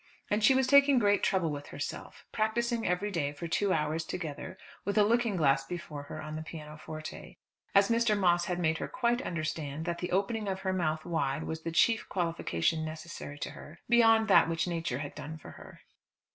And she was taking great trouble with herself, practising every day for two hours together, with a looking glass before her on the pianoforte, as Mr. Moss had made her quite understand that the opening of her mouth wide was the chief qualification necessary to her, beyond that which nature had done for her.